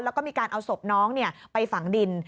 แล้วก็มีการเอาศพน้องไปฝังดิน